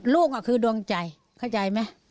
ลูกคือดวงใจเข้าใจไหม